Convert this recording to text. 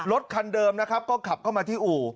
รถคันเดิมนะครับก็ขับเข้ามาที่อู่